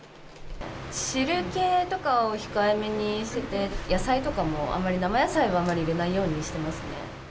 汁系とかを控えめにしてて、野菜とかもあんまり生野菜はあまり入れないようにしてますね。